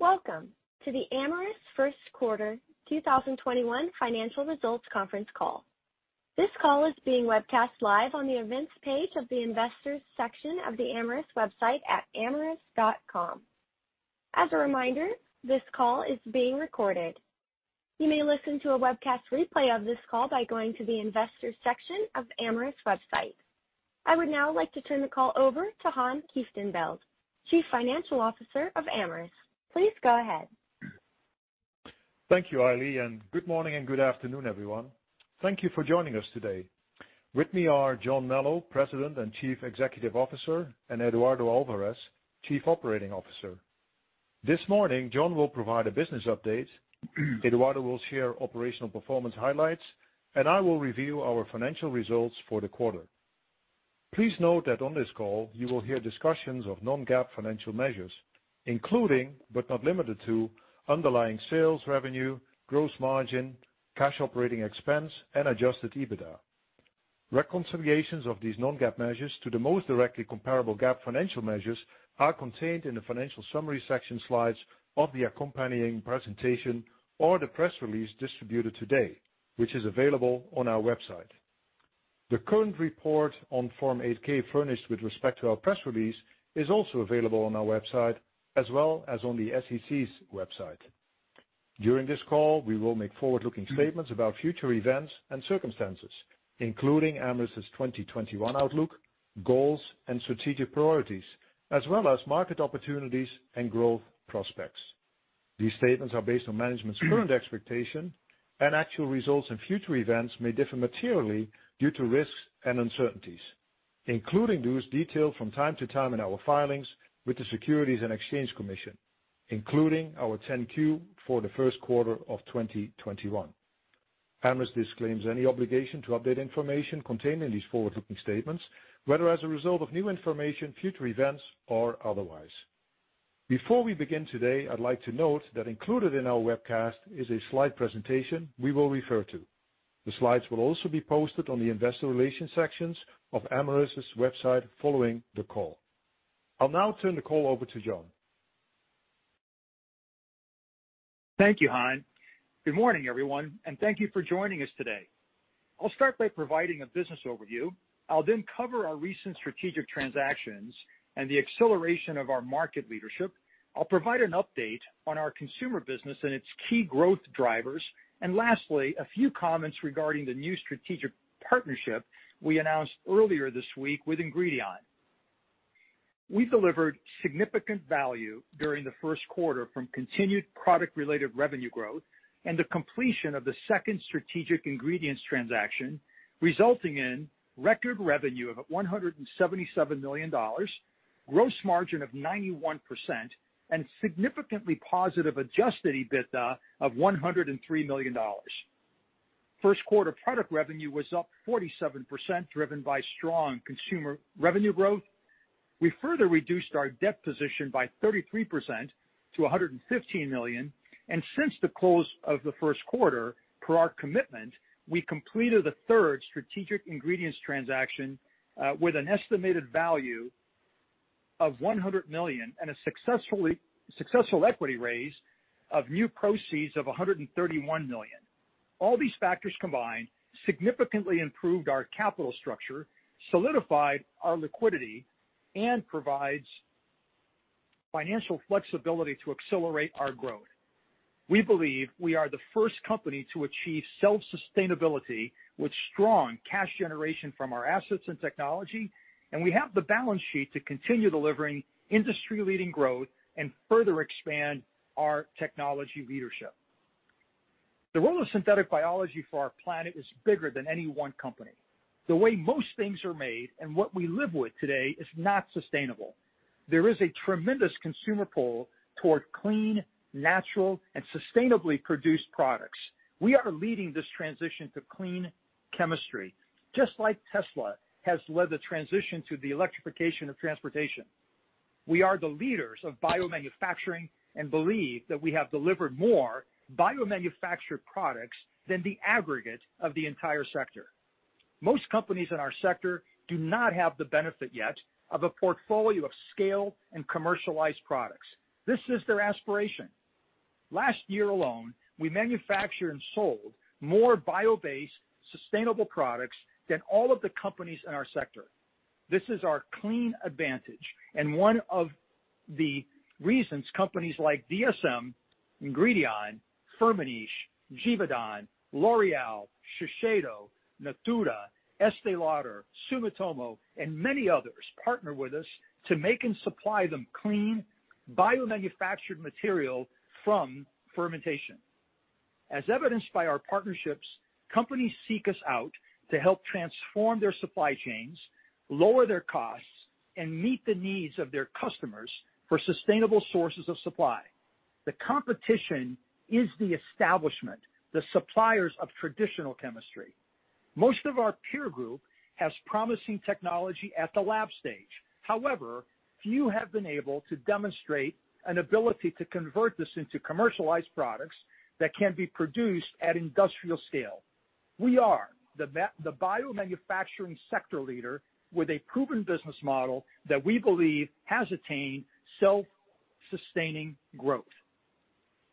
Welcome to the Amyris first quarter 2021 financial results conference call. This call is being webcast live on the events page of the investors section of the amyris website at amyris.com. As a reminder, this call is being recorded. You may listen to a webcast replay of this call by going to the investors section of Amyris website. I would now like to turn the call over to Han Kieftenbeld, Chief Financial Officer of Amyris. Please go ahead. Thank you, Eily. Good morning and good afternoon, everyone. Thank you for joining us today. With me are John Melo, President and Chief Executive Officer, and Eduardo Alvarez, Chief Operating Officer. This morning, John will provide a business update, Eduardo will share operational performance highlights, and I will review our financial results for the quarter. Please note that on this call you will hear discussions of non-GAAP financial measures, including, but not limited to, underlying sales revenue, gross margin, cash operating expense and adjusted EBITDA. Reconciliations of these non-GAAP measures to the most directly comparable GAAP financial measures are contained in the financial summary section slides of the accompanying presentation or the press release distributed today, which is available on our website. The current report on Form 8-K furnished with respect to our press release is also available on our website as well as on the SEC's website. During this call, we will make forward-looking statements about future events and circumstances, including Amyris' 2021 outlook, goals and strategic priorities, as well as market opportunities and growth prospects. These statements are based on management's current expectation and actual results, and future events may differ materially due to risks and uncertainties, including those detailed from time to time in our filings with the Securities and Exchange Commission, including our 10-Q for the first quarter of 2021. Amyris disclaims any obligation to update information contained in these forward-looking statements, whether as a result of new information, future events, or otherwise. Before we begin today, I'd like to note that included in our webcast is a slide presentation we will refer to. The slides will also be posted on the investor relations sections of Amyris' website following the call. I'll now turn the call over to John. Thank you, Han. Good morning, everyone, and thank you for joining us today. I'll start by providing a business overview. I'll then cover our recent strategic transactions and the acceleration of our market leadership. I'll provide an update on our consumer business and its key growth drivers, and lastly, a few comments regarding the new strategic partnership we announced earlier this week with Ingredion. We delivered significant value during the first quarter from continued product-related revenue growth and the completion of the second strategic ingredients transaction, resulting in record revenue of $177 million, gross margin of 91%, and significantly positive adjusted EBITDA of $103 million. First quarter product revenue was up 47%, driven by strong consumer revenue growth. We further reduced our debt position by 33% to $115 million, and since the close of the first quarter, per our commitment, we completed a third strategic ingredients transaction, with an estimated value of $100 million and a successful equity raise of new proceeds of $131 million. All these factors combined significantly improved our capital structure, solidified our liquidity, and provides financial flexibility to accelerate our growth. We believe we are the first company to achieve self-sustainability with strong cash generation from our assets and technology, and we have the balance sheet to continue delivering industry-leading growth and further expand our technology leadership. The role of synthetic biology for our planet is bigger than any one company. The way most things are made and what we live with today is not sustainable. There is a tremendous consumer pull toward clean, natural, and sustainably produced products. We are leading this transition to clean chemistry, just like Tesla has led the transition to the electrification of transportation. We are the leaders of biomanufacturing and believe that we have delivered more biomanufactured products than the aggregate of the entire sector. Most companies in our sector do not have the benefit yet of a portfolio of scale and commercialized products. This is their aspiration. Last year alone, we manufactured and sold more bio-based, sustainable products than all of the companies in our sector. This is our clean advantage and one of the reasons companies like DSM, Ingredion, Firmenich, Givaudan, L'Oréal, Shiseido, Natura, Estée Lauder, Sumitomo, and many others partner with us to make and supply them clean, biomanufactured material from fermentation. As evidenced by our partnerships, companies seek us out to help transform their supply chains, lower their costs, and meet the needs of their customers for sustainable sources of supply. The competition is the establishment, the suppliers of traditional chemistry. Most of our peer group has promising technology at the lab stage. However, few have been able to demonstrate an ability to convert this into commercialized products that can be produced at industrial scale. We are the biomanufacturing sector leader with a proven business model that we believe has attained self-sustaining growth.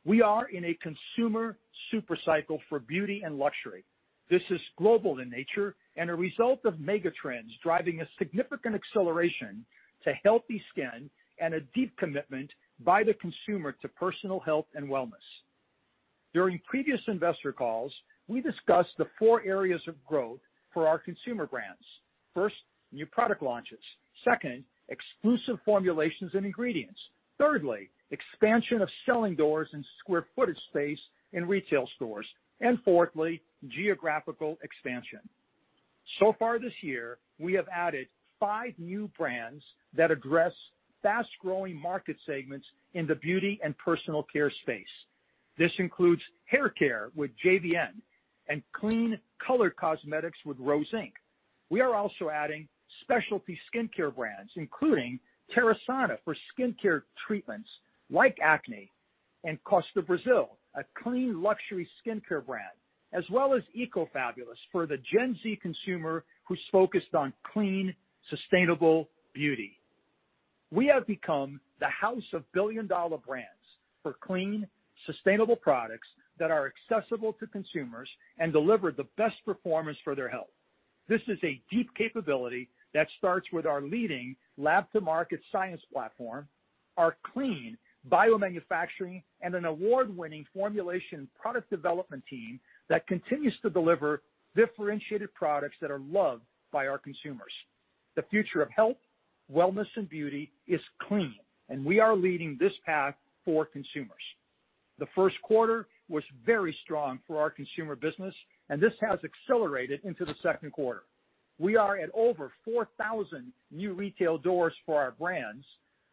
We are in a consumer super cycle for beauty and luxury. This is global in nature and a result of mega trends driving a significant acceleration to healthy skin and a deep commitment by the consumer to personal health and wellness. During previous investor calls, we discussed the four areas of growth for our consumer brands. First, new product launches. Second, exclusive formulations and ingredients. Thirdly, expansion of selling doors and square footage space in retail stores. Fourthly, geographical expansion. So far this year, we have added five new brands that address fast-growing market segments in the beauty and personal care space. This includes haircare with JVN and clean color cosmetics with Rose Inc. We are also adding specialty skincare brands, including Terasana for skincare treatments like acne, and Costa Brazil, a clean luxury skincare brand, as well as EcoFabulous for the Gen Z consumer who's focused on clean, sustainable beauty. We have become the house of billion-dollar brands for clean, sustainable products that are accessible to consumers and deliver the best performance for their health. This is a deep capability that starts with our leading lab-to-market science platform, our clean biomanufacturing, and an award-winning formulation product development team that continues to deliver differentiated products that are loved by our consumers. The future of health, wellness, and beauty is clean, and we are leading this path for consumers. The first quarter was very strong for our consumer business, and this has accelerated into the second quarter. We are at over 4,000 new retail doors for our brands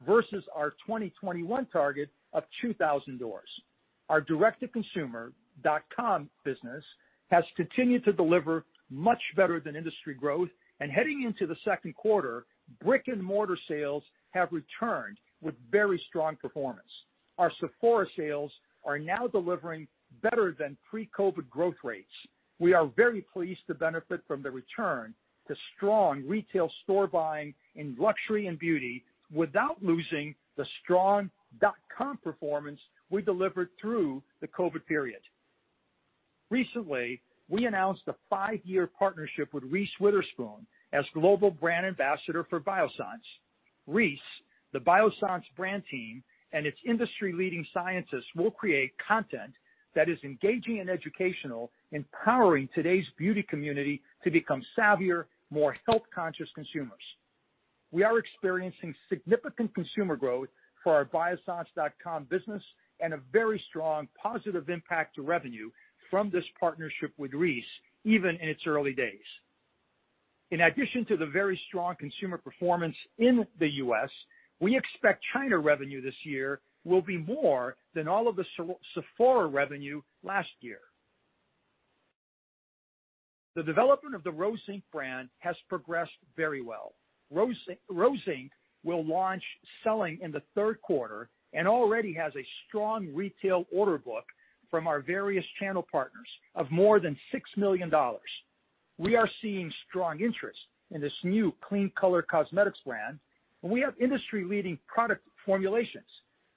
versus our 2021 target of 2,000 doors. Our direct-to-consumer .com business has continued to deliver much better than industry growth, and heading into the second quarter, brick-and-mortar sales have returned with very strong performance. Our Sephora sales are now delivering better than pre-COVID growth rates. We are very pleased to benefit from the return to strong retail store buying in luxury and beauty without losing the strong dot com performance we delivered through the COVID period. Recently, we announced a five-year partnership with Reese Witherspoon as global brand ambassador for Biossance. Reese, the Biossance brand team, and its industry-leading scientists will create content that is engaging and educational, empowering today's beauty community to become savvier, more health-conscious consumers. We are experiencing significant consumer growth for our Biossance dot com business and a very strong, positive impact to revenue from this partnership with Reese, even in its early days. In addition to the very strong consumer performance in the U.S., we expect China revenue this year will be more than all of the Sephora revenue last year. The development of the Rose Inc. brand has progressed very well. Rose Inc. will launch selling in the third quarter and already has a strong retail order book from our various channel partners of more than $6 million. We are seeing strong interest in this new clean color cosmetics brand. We have industry-leading product formulations.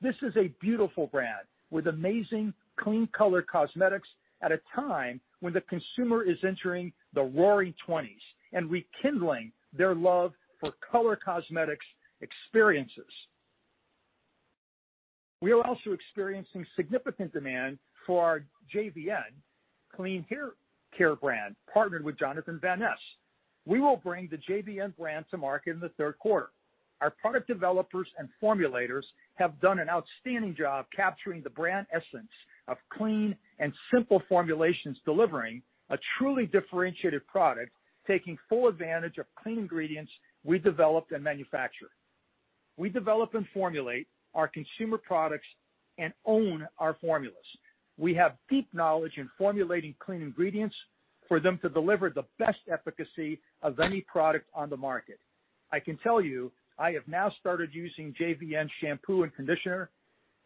This is a beautiful brand with amazing clean color cosmetics at a time when the consumer is entering the Roaring Twenties and rekindling their love for color cosmetics experiences. We are also experiencing significant demand for our JVN clean haircare brand, partnered with Jonathan Van Ness. We will bring the JVN brand to market in the third quarter. Our product developers and formulators have done an outstanding job capturing the brand essence of clean and simple formulations, delivering a truly differentiated product, taking full advantage of clean ingredients we developed and manufacture. We develop and formulate our consumer products and own our formulas. We have deep knowledge in formulating clean ingredients for them to deliver the best efficacy of any product on the market. I can tell you, I have now started using JVN shampoo and conditioner,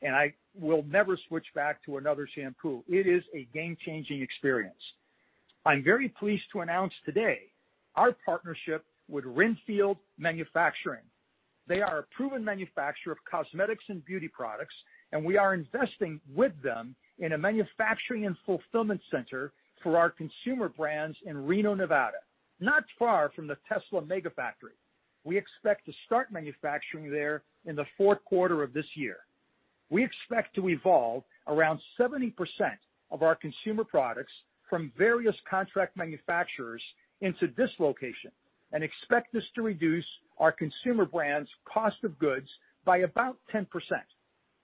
and I will never switch back to another shampoo. It is a game-changing experience. I'm very pleased to announce today our partnership with Renfield Manufacturing. They are a proven manufacturer of cosmetics and beauty products, and we are investing with them in a manufacturing and fulfillment center for our consumer brands in Reno, Nevada, not far from the Tesla Gigafactory. We expect to start manufacturing there in the fourth quarter of this year. We expect to evolve around 70% of our consumer products from various contract manufacturers into this location and expect this to reduce our consumer brands' cost of goods by about 10%.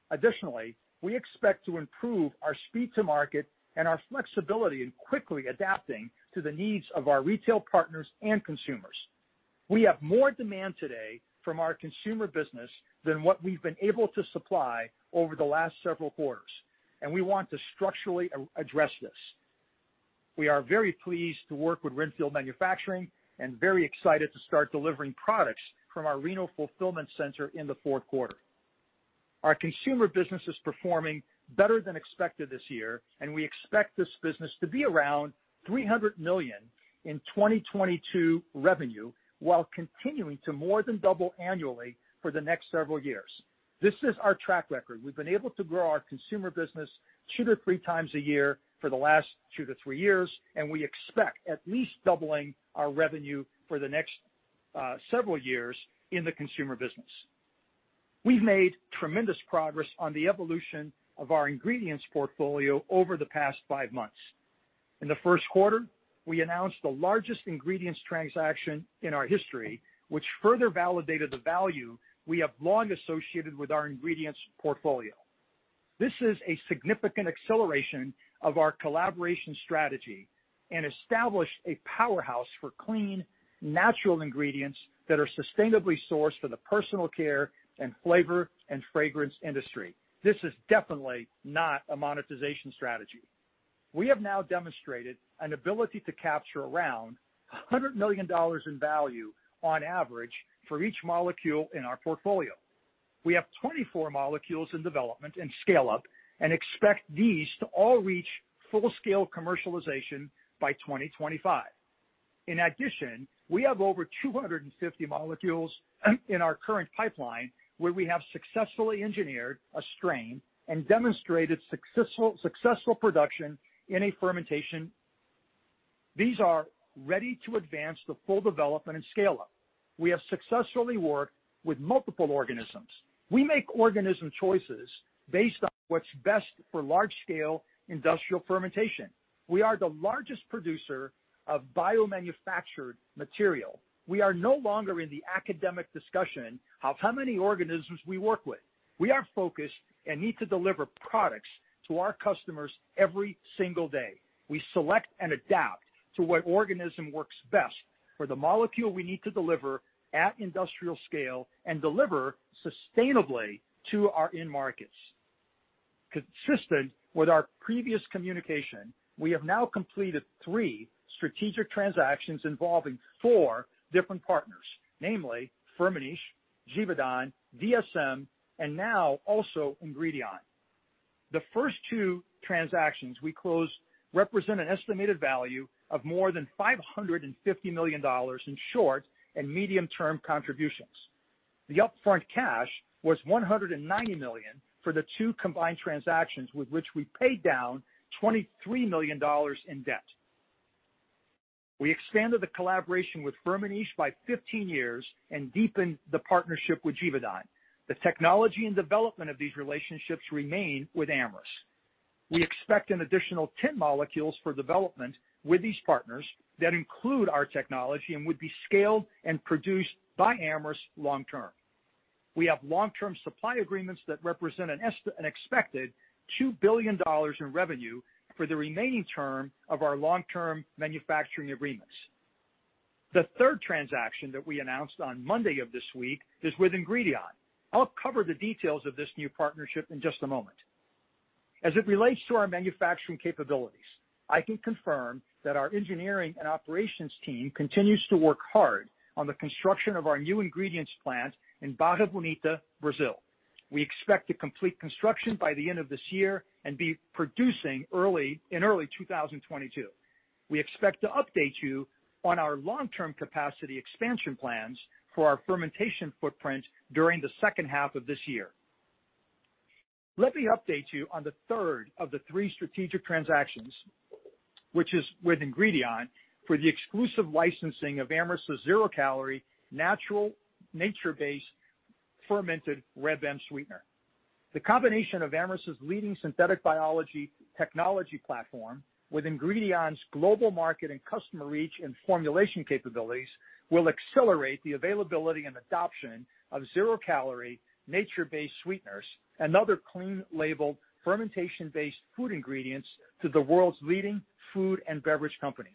Additionally, we expect to improve our speed to market and our flexibility in quickly adapting to the needs of our retail partners and consumers. We have more demand today from our consumer business than what we've been able to supply over the last several quarters, and we want to structurally address this. We are very pleased to work with Renfield Manufacturing and very excited to start delivering products from our Reno fulfillment center in the fourth quarter. Our consumer business is performing better than expected this year, and we expect this business to be around $300 million in 2022 revenue while continuing to more than double annually for the next several years. This is our track record. We've been able to grow our consumer business two to three times a year for the last two to three years. We expect at least doubling our revenue for the next several years in the consumer business. We've made tremendous progress on the evolution of our ingredients portfolio over the past five months. In the first quarter, we announced the largest ingredients transaction in our history, which further validated the value we have long associated with our ingredients portfolio. This is a significant acceleration of our collaboration strategy and established a powerhouse for clean, natural ingredients that are sustainably sourced for the personal care and flavor and fragrance industry. This is definitely not a monetization strategy. We have now demonstrated an ability to capture around $100 million in value on average for each molecule in our portfolio. We have 24 molecules in development and scaleup, and expect these to all reach full-scale commercialization by 2025. In addition, we have over 250 molecules in our current pipeline where we have successfully engineered a strain and demonstrated successful production in a fermentation. These are ready to advance to full development and scale up. We have successfully worked with multiple organisms. We make organism choices based on what's best for large-scale industrial fermentation. We are the largest producer of biomanufactured material. We are no longer in the academic discussion of how many organisms we work with. We are focused and need to deliver products to our customers every single day. We select and adapt to what organism works best for the molecule we need to deliver at industrial scale and deliver sustainably to our end markets. Consistent with our previous communication, we have now completed three strategic transactions involving four different partners, namely Firmenich, Givaudan, DSM, and now also Ingredion. The first two transactions we closed represent an estimated value of more than $550 million in short and medium-term contributions. The upfront cash was $190 million for the two combined transactions with which we paid down $23 million in debt. We expanded the collaboration with Firmenich by 15 years and deepened the partnership with Givaudan. The technology and development of these relationships remain with Amyris. We expect an additional 10 molecules for development with these partners that include our technology and would be scaled and produced by Amyris long term. We have long-term supply agreements that represent an expected $2 billion in revenue for the remaining term of our long-term manufacturing agreements. The third transaction that we announced on Monday of this week is with Ingredion. I'll cover the details of this new partnership in just a moment. As it relates to our manufacturing capabilities, I can confirm that our engineering and operations team continues to work hard on the construction of our new ingredients plant in Barra Bonita, Brazil. We expect to complete construction by the end of this year and be producing in early 2022. We expect to update you on our long-term capacity expansion plans for our fermentation footprint during the second half of this year. Let me update you on the third of the three strategic transactions, which is with Ingredion for the exclusive licensing of Amyris' zero-calorie, natural, nature-based fermented Reb M sweetener. The combination of Amyris' leading synthetic biology technology platform with Ingredion's global market and customer reach and formulation capabilities will accelerate the availability and adoption of zero-calorie, nature-based sweeteners and other clean label fermentation-based food ingredients to the world's leading food and beverage companies.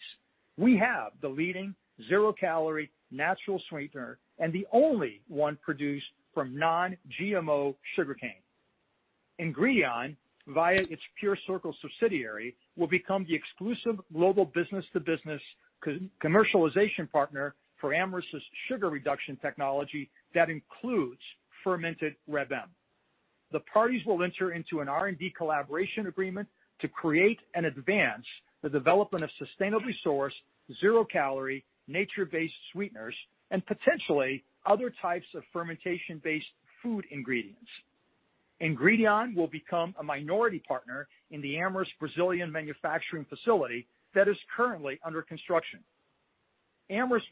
We have the leading zero-calorie natural sweetener and the only one produced from non-GMO sugarcane. Ingredion, via its PureCircle subsidiary, will become the exclusive global business-to-business commercialization partner for Amyris' sugar reduction technology that includes fermented Reb M. The parties will enter into an R&D collaboration agreement to create and advance the development of sustainably sourced, zero-calorie, nature-based sweeteners and potentially other types of fermentation-based food ingredients. Ingredion will become a minority partner in the Amyris Brazilian manufacturing facility that is currently under construction. Amyris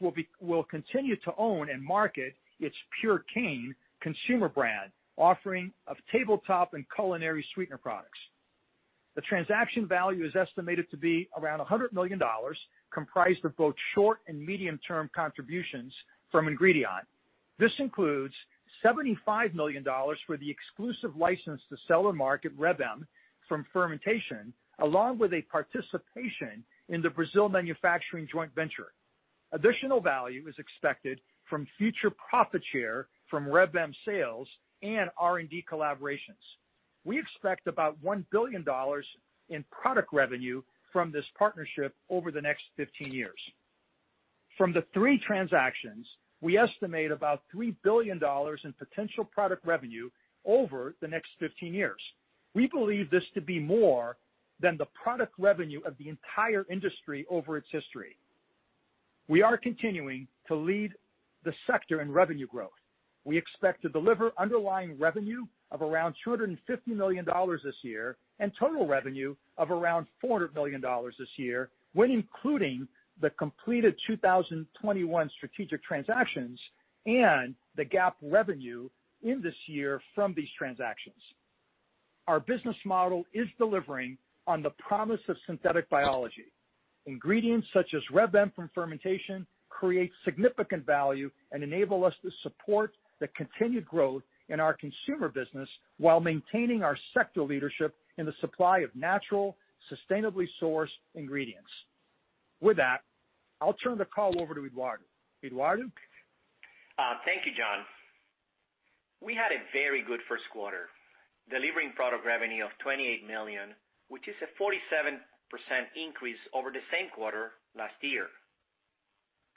will continue to own and market its Purecane consumer brand offering of tabletop and culinary sweetener products. The transaction value is estimated to be around $100 million, comprised of both short and medium-term contributions from Ingredion. This includes $75 million for the exclusive license to sell and market Reb M from fermentation, along with a participation in the Brazil manufacturing joint venture. Additional value is expected from future profit share from Reb M sales and R&D collaborations. We expect about $1 billion in product revenue from this partnership over the next 15 years. From the three transactions, we estimate about $3 billion in potential product revenue over the next 15 years. We believe this to be more than the product revenue of the entire industry over its history. We are continuing to lead the sector in revenue growth. We expect to deliver underlying revenue of around $250 million this year, and total revenue of around $400 million this year, when including the completed 2021 strategic transactions and the GAAP revenue in this year from these transactions. Our business model is delivering on the promise of synthetic biology. Ingredients such as Reb M from fermentation create significant value and enable us to support the continued growth in our consumer business while maintaining our sector leadership in the supply of natural, sustainably sourced ingredients. With that, I'll turn the call over to Eduardo. Eduardo? Thank you, John. We had a very good first quarter, delivering product revenue of $28 million, which is a 47% increase over the same quarter last year.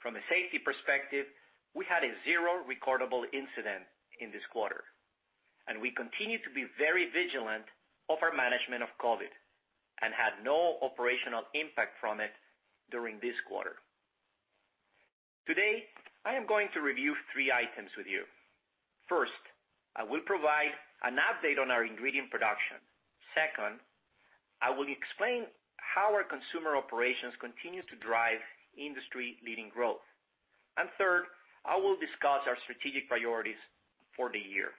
From a safety perspective, we had a 0 recordable incident in this quarter, and we continue to be very vigilant of our management of COVID and had no operational impact from it during this quarter. Today, I am going to review three items with you. First, I will provide an update on our ingredient production. Second, I will explain how our consumer operations continues to drive industry-leading growth. Third, I will discuss our strategic priorities for the year.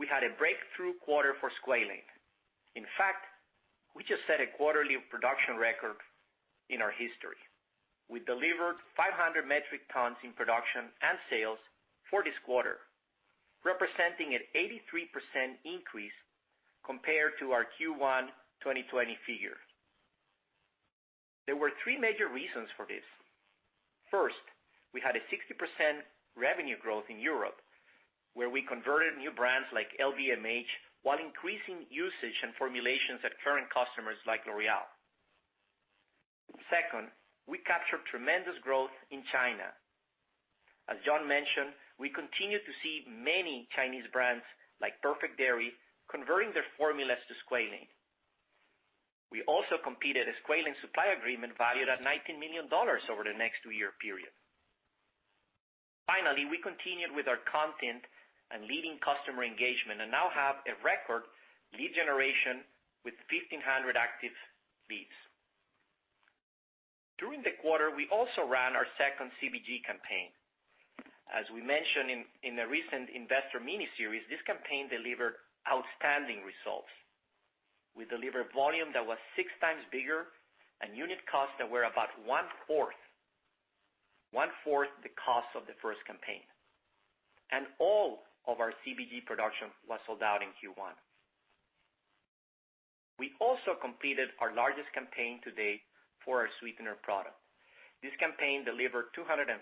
We had a breakthrough quarter for squalane. In fact, we just set a quarterly production record in our history. We delivered 500 metric tons in production and sales for this quarter, representing an 83% increase compared to our Q1 2020 figure. There were three major reasons for this. First, we had a 60% revenue growth in Europe, where we converted new brands like LVMH, while increasing usage and formulations at current customers like L'Oréal. Second, we captured tremendous growth in China. As John mentioned, we continue to see many Chinese brands like Perfect Diary converting their formulas to squalane. We also completed a squalane supply agreement valued at $19 million over the next two-year period. Finally, we continued with our content and leading customer engagement and now have a record lead generation with 1,500 active leads. During the quarter, we also ran our second CBG campaign. As we mentioned in the recent investor miniseries, this campaign delivered outstanding results. We delivered volume that was six times bigger and unit costs that were about one-fourth the cost of the first campaign. All of our CBG production was sold out in Q1. We also completed our largest campaign to date for our sweetener product. This campaign delivered 250%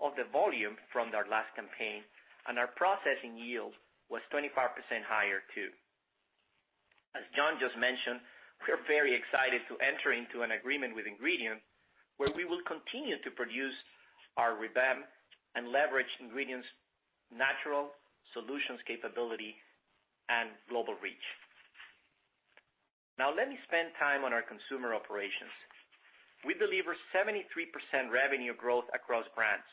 of the volume from our last campaign, and our processing yield was 25% higher, too. As John Melo just mentioned, we're very excited to enter into an agreement with Ingredion, where we will continue to produce our Reb M and leverage Ingredion's natural solutions capability and global reach. Let me spend time on our consumer operations. We delivered 73% revenue growth across brands.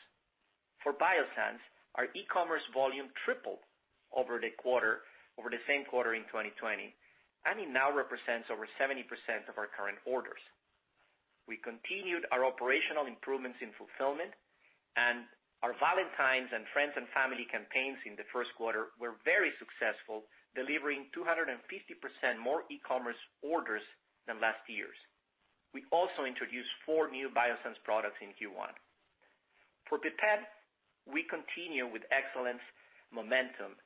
For Biossance, our e-commerce volume tripled over the same quarter in 2020, and it now represents over 70% of our current orders. We continued our operational improvements in fulfillment, and our Valentine's and Friends and Family campaigns in the first quarter were very successful, delivering 250% more e-commerce orders than last year's. We also introduced four new Biossance products in Q1. For Pipette, we continue with excellent momentum,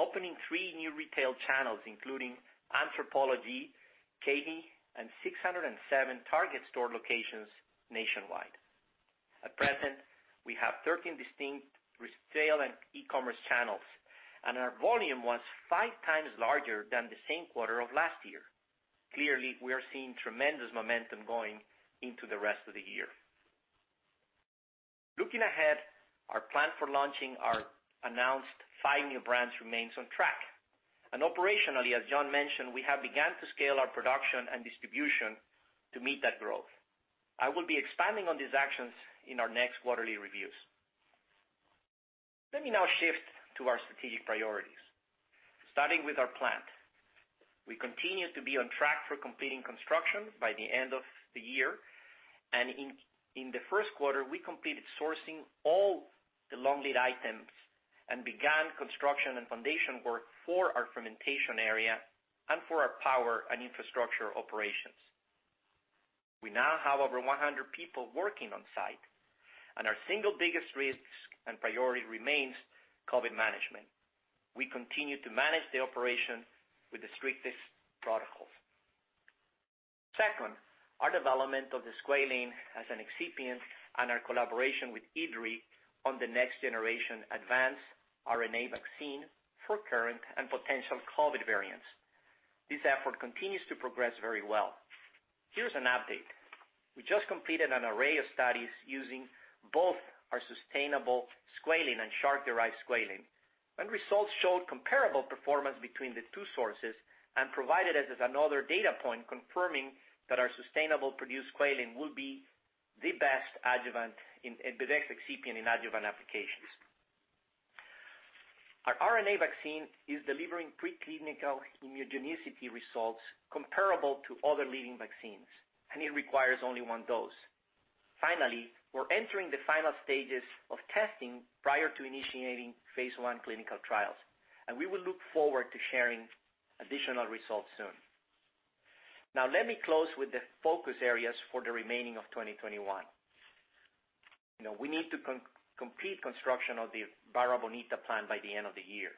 opening three new retail channels, including Anthropologie, Katie, and 607 Target store locations nationwide. At present, we have 13 distinct retail and e-commerce channels, and our volume was five times larger than the same quarter of last year. Clearly, we are seeing tremendous momentum going into the rest of the year. Looking ahead, our plan for launching our announced five new brands remains on track. Operationally, as John mentioned, we have begun to scale our production and distribution to meet that growth. I will be expanding on these actions in our next quarterly reviews. Let me now shift to our strategic priorities, starting with our plant. We continue to be on track for completing construction by the end of the year. In the first quarter, we completed sourcing all the long-lead items and began construction and foundation work for our fermentation area and for our power and infrastructure operations. We now have over 100 people working on-site, and our single biggest risk and priority remains COVID management. We continue to manage the operation with the strictest protocols. Second, our development of the squalane as an excipient and our collaboration with IDRI on the next-generation advanced RNA vaccine for current and potential COVID variants. This effort continues to progress very well. Here's an update. We just completed an array of studies using both our sustainable squalene and shark-derived squalene, and results showed comparable performance between the two sources and provided us with another data point confirming that our sustainable produced squalene will be the best adjuvant in, and the best excipient in adjuvant applications. Our RNA vaccine is delivering preclinical immunogenicity results comparable to other leading vaccines, and it requires only one dose. Finally, we are entering the final stages of testing prior to initiating Phase I clinical trials, and we will look forward to sharing additional results soon. Now let me close with the focus areas for the remaining of 2021. We need to complete construction of the Barra Bonita plant by the end of the year.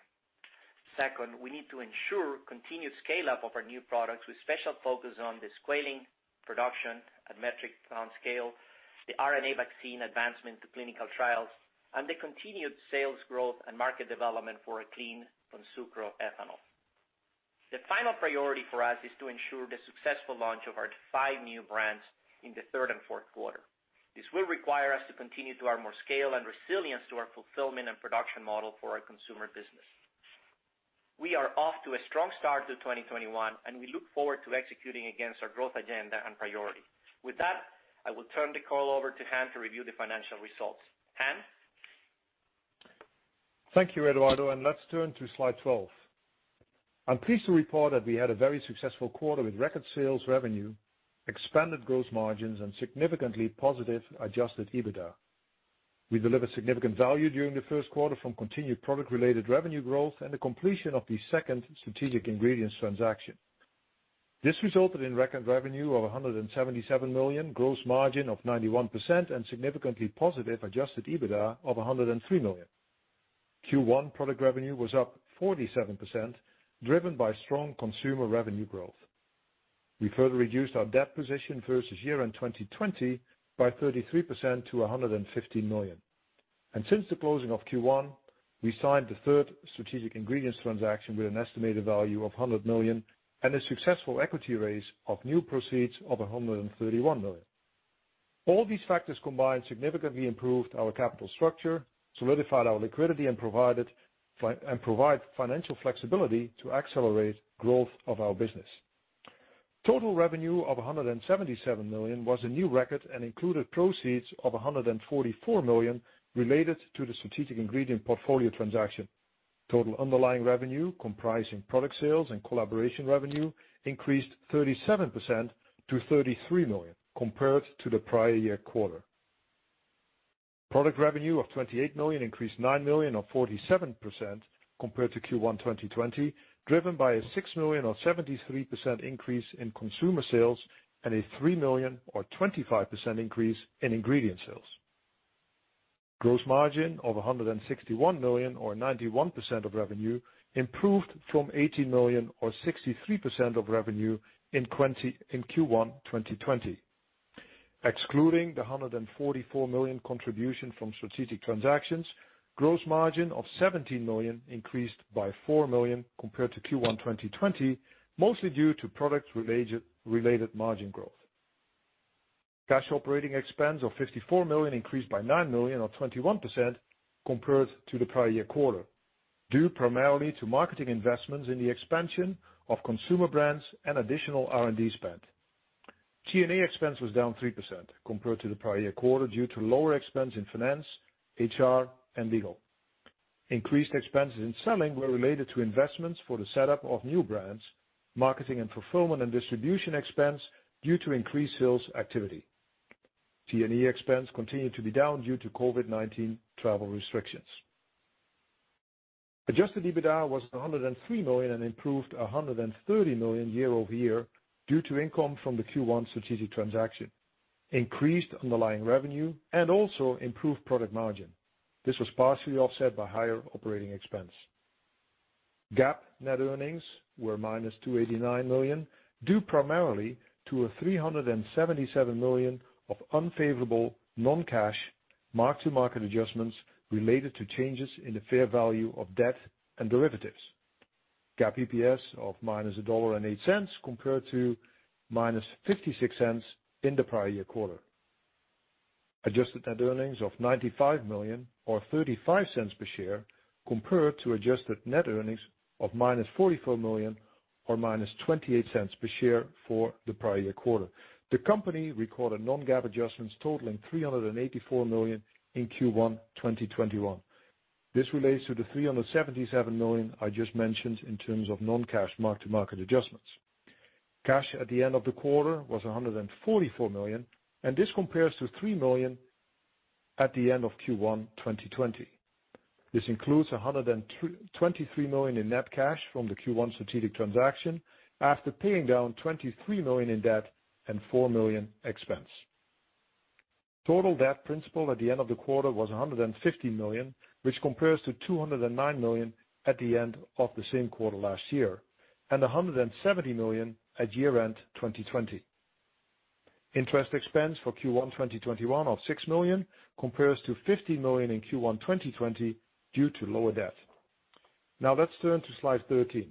Second, we need to ensure continued scale-up of our new products, with special focus on the squalene production and metric ton scale, the RNA vaccine advancement to clinical trials, and the continued sales growth and market development for a clean sugarcane ethanol. The final priority for us is to ensure the successful launch of our five new brands in the third and fourth quarter. This will require us to continue to our more scale and resilience to our fulfillment and production model for our consumer business. We are off to a strong start to 2021, and we look forward to executing against our growth agenda and priority. With that, I will turn the call over to Han to review the financial results. Han? Thank you, Eduardo, and let's turn to slide 12. I'm pleased to report that we had a very successful quarter with record sales revenue, expanded gross margins, and significantly positive adjusted EBITDA. We delivered significant value during the first quarter from continued product-related revenue growth and the completion of the second strategic ingredients transaction. This resulted in record revenue of $177 million, gross margin of 91%, and significantly positive adjusted EBITDA of $103 million. Q1 product revenue was up 47%, driven by strong consumer revenue growth. We further reduced our debt position versus year-end 2020 by 33% to $115 million. Since the closing of Q1, we signed the third strategic ingredients transaction with an estimated value of $100 million and a successful equity raise of new proceeds of $131 million. All these factors combined significantly improved our capital structure, solidified our liquidity, and provide financial flexibility to accelerate growth of our business. Total revenue of $177 million was a new record and included proceeds of $144 million related to the strategic ingredient portfolio transaction. Total underlying revenue, comprising product sales and collaboration revenue, increased 37% to $33 million compared to the prior year quarter. Product revenue of $28 million increased $9 million or 47% compared to Q1 2020, driven by a $6 million or 73% increase in consumer sales and a $3 million or 25% increase in ingredient sales. Gross margin of $161 million or 91% of revenue improved from $18 million or 63% of revenue in Q1 2020. Excluding the $144 million contribution from strategic transactions, gross margin of $17 million increased by $4 million compared to Q1 2020, mostly due to product-related margin growth. Cash operating expense of $54 million increased by $9 million or 21% compared to the prior year quarter, due primarily to marketing investments in the expansion of consumer brands and additional R&D spend. G&A expense was down 3% compared to the prior year quarter due to lower expense in finance, HR, and legal. Increased expenses in selling were related to investments for the setup of new brands, marketing and fulfillment and distribution expense due to increased sales activity. G&A expense continued to be down due to COVID-19 travel restrictions. Adjusted EBITDA was $103 million and improved $130 million year-over-year due to income from the Q1 strategic transaction, increased underlying revenue, and also improved product margin. This was partially offset by higher operating expense. GAAP net earnings were -$289 million, due primarily to a $377 million of unfavorable non-cash mark-to-market adjustments related to changes in the fair value of debt and derivatives. GAAP EPS of -$1.08 compared to -$0.56 in the prior year quarter. Adjusted net earnings of $95 million or $0.35 per share compare to adjusted net earnings of -$44 million or -$0.28 per share for the prior year quarter. The company recorded non-GAAP adjustments totaling $384 million in Q1 2021. This relates to the $377 million I just mentioned in terms of non-cash mark-to-market adjustments. Cash at the end of the quarter was $144 million, and this compares to $3 million at the end of Q1 2020. This includes $123 million in net cash from the Q1 strategic transaction after paying down $23 million in debt and $4 million expense. Total debt principal at the end of the quarter was $115 million, which compares to $209 million at the end of the same quarter last year and $170 million at year-end 2020. Interest expense for Q1 2021 of $6 million compares to $50 million in Q1 2020 due to lower debt. Let's turn to slide 13.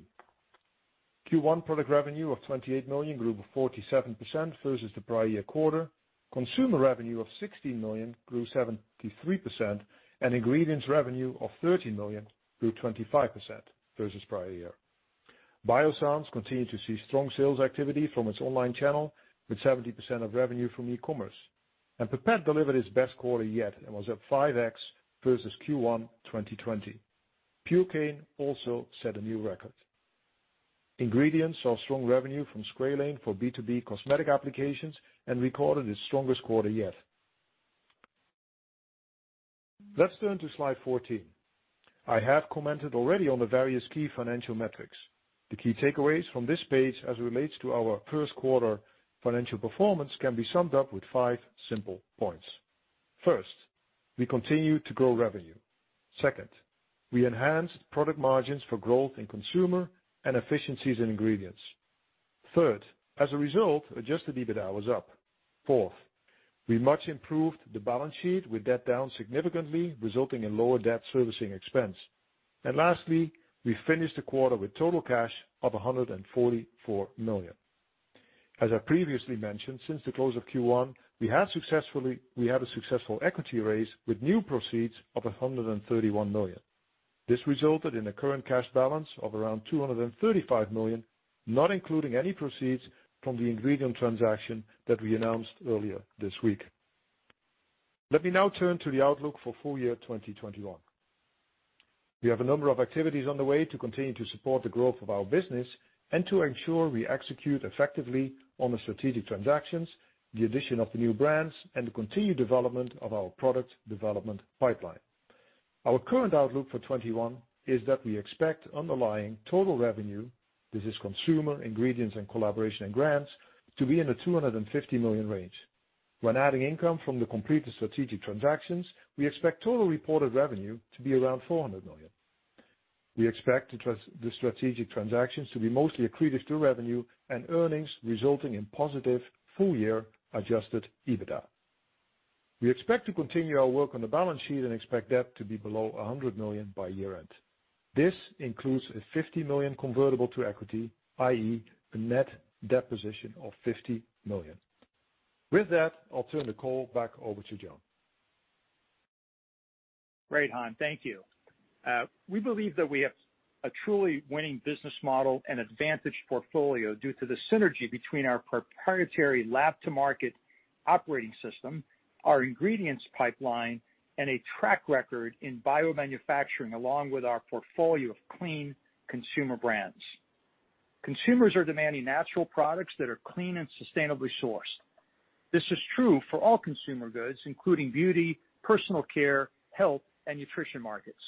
Q1 product revenue of $28 million grew by 47% versus the prior year quarter. Consumer revenue of $16 million grew 73%, and ingredients revenue of $13 million grew 25% versus prior year. Biossance continued to see strong sales activity from its online channel, with 70% of revenue from e-commerce. Pipette delivered its best quarter yet and was at 5x versus Q1 2020. Purecane also set a new record. Ingredients saw strong revenue from squalane for B2B cosmetic applications and recorded its strongest quarter yet. Let's turn to slide 14. I have commented already on the various key financial metrics. The key takeaways from this page as it relates to our first quarter financial performance can be summed up with five simple points. First, we continued to grow revenue. Second, we enhanced product margins for growth in consumer and efficiencies in ingredients. Third, as a result, adjusted EBITDA was up. Fourth, we much improved the balance sheet with debt down significantly, resulting in lower debt servicing expense. Lastly, we finished the quarter with total cash of $144 million. As I previously mentioned, since the close of Q1, we had a successful equity raise with new proceeds of $131 million. This resulted in a current cash balance of around $235 million, not including any proceeds from the ingredient transaction that we announced earlier this week. Let me now turn to the outlook for full year 2021. We have a number of activities on the way to continue to support the growth of our business and to ensure we execute effectively on the strategic transactions, the addition of the new brands, and the continued development of our product development pipeline. Our current outlook for 2021 is that we expect underlying total revenue, this is consumer, ingredients, and collaboration, and grants, to be in the $250 million range. When adding income from the completed strategic transactions, we expect total reported revenue to be around $400 million. We expect the strategic transactions to be mostly accretive to revenue and earnings resulting in positive full year adjusted EBITDA. We expect to continue our work on the balance sheet and expect debt to be below $100 million by year-end. This includes a $50 million convertible to equity, i.e., a net debt position of $50 million. With that, I'll turn the call back over to John. Great, Han. Thank you. We believe that we have a truly winning business model and advantage portfolio due to the synergy between our proprietary lab-to-market operating system, our ingredients pipeline, and a track record in biomanufacturing, along with our portfolio of clean consumer brands. Consumers are demanding natural products that are clean and sustainably sourced. This is true for all consumer goods, including beauty, personal care, health, and nutrition markets.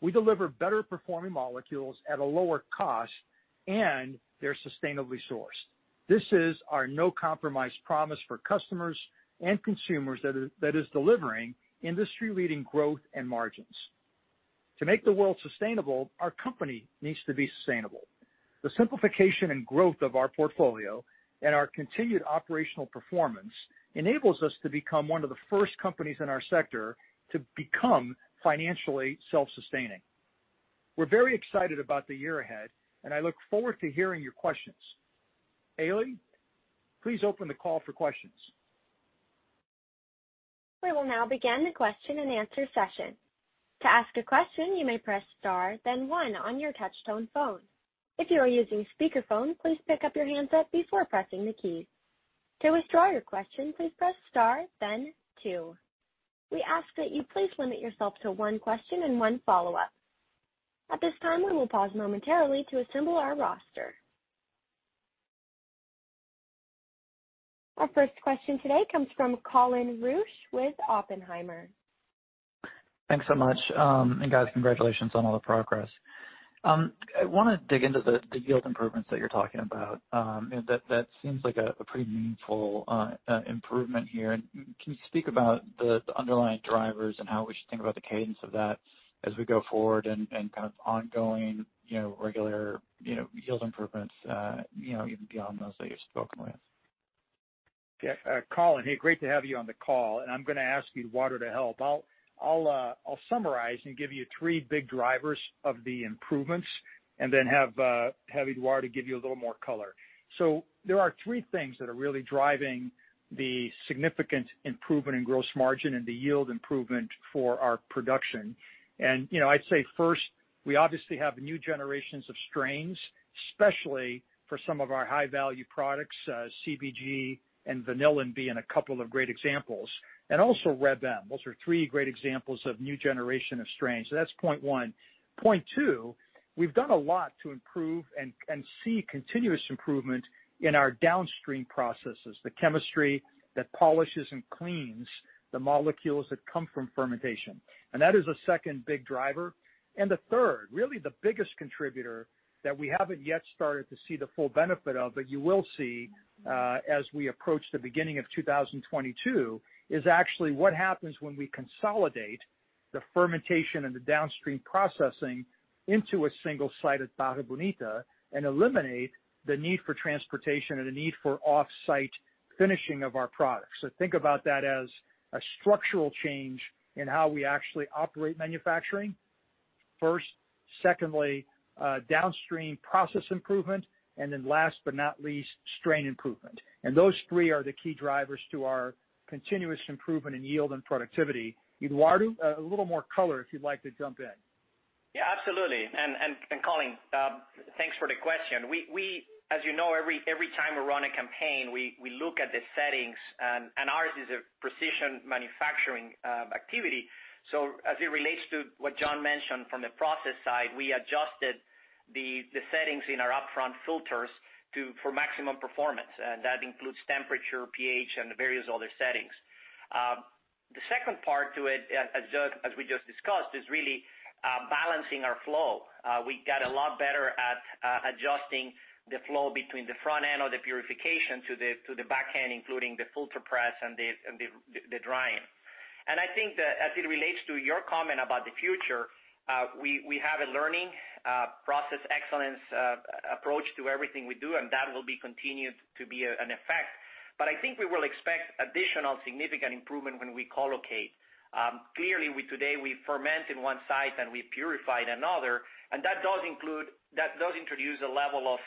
We deliver better performing molecules at a lower cost, and they're sustainably sourced. This is our no compromise promise for customers and consumers that is delivering industry-leading growth and margins. To make the world sustainable, our company needs to be sustainable. The simplification and growth of our portfolio and our continued operational performance enables us to become one of the first companies in our sector to become financially self-sustaining. We're very excited about the year ahead, and I look forward to hearing your questions. Eiley, please open the call for questions. We will now begin the question and answer session. To ask a question, you may press star then one on your touchtone phone. If you are using speakerphone, please pick up your handset before pressing the key. To withdraw your question, please press star then two. We ask that you please limit yourself to one question and one follow-up. At this time, we will pause momentarily to assemble our roster. Our first question today comes from Colin Rusch with Oppenheimer. Thanks so much. Guys, congratulations on all the progress. I want to dig into the yield improvements that you're talking about. That seems like a pretty meaningful improvement here. Can you speak about the underlying drivers and how we should think about the cadence of that as we go forward and kind of ongoing regular yield improvements even beyond those that you've spoken with? Yeah, Colin, hey, great to have you on the call, and I'm going to ask Alvarez to help. I'll summarize and give you three big drivers of the improvements and then have Alvarez to give you a little more color. There are three things that are really driving the significant improvement in gross margin and the yield improvement for our production. I'd say first, we obviously have new generations of strains, especially for some of our high-value products, CBG and vanillin B and a couple of great examples, and also Reb M. Those are three great examples of new generation of strains. That's point one. Point two, we've done a lot to improve and see continuous improvement in our downstream processes, the chemistry that polishes and cleans the molecules that come from fermentation. That is a second big driver. The third, really the biggest contributor that we haven't yet started to see the full benefit of, but you will see as we approach the beginning of 2022, is actually what happens when we consolidate the fermentation and the downstream processing into a single site at Barra Bonita and eliminate the need for transportation and the need for offsite finishing of our products. Think about that as a structural change in how we actually operate manufacturing first. Secondly, downstream process improvement. Last but not least, strain improvement. Those three are the key drivers to our continuous improvement in yield and productivity. Eduardo, a little more color if you'd like to jump in. Yeah, absolutely. Colin, thanks for the question. As you know, every time we run a campaign, we look at the settings, and ours is a precision manufacturing activity. As it relates to what John mentioned from the process side, we adjusted the settings in our upfront filters for maximum performance. That includes temperature, pH, and various other settings. The second part to it, as we just discussed, is really balancing our flow. We got a lot better at adjusting the flow between the front end or the purification to the back end, including the filter press and the drying. I think that as it relates to your comment about the future, we have a learning process excellence approach to everything we do, and that will be continued to be an effect. I think we will expect additional significant improvement when we collocate. Clearly, today we ferment in one site, and we purify in another, and that does introduce a level of